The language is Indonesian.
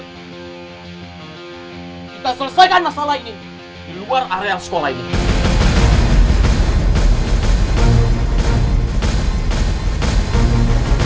kita selesaikan masalah ini di luar area sekolah ini